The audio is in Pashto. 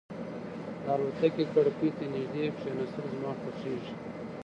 د الوتکې کړکۍ ته نږدې کېناستل زما خوښېږي.